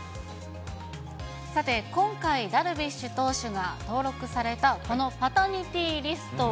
さて、今回、ダルビッシュ投手が登録されたこのパタニティー・リスト。